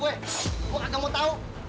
gue kagak mau tahu